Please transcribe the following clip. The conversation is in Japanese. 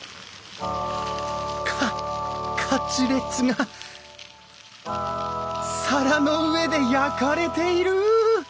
カカツレツが皿の上で焼かれている！